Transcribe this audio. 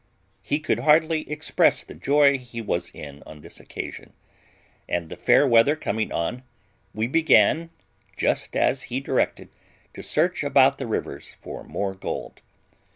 He could hardly express the joy he was in on this occasion; and the fair weather coming on, we began, just as he directed, to search about the rivers for more gold.